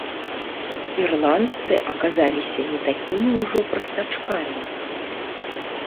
Ірландцы аказаліся не такімі ўжо прастачкамі.